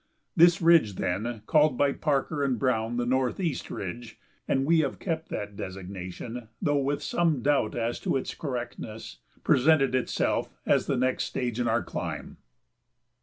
This ridge, then, called by Parker and Browne the Northeast Ridge (and we have kept that designation, though with some doubt as to its correctness), presented itself as the next stage in our climb.